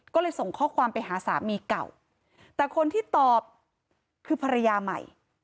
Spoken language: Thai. ก็เลยส่งข้อความไปหาสามีเก่าแต่คนที่ตอบคือภรรยาใหม่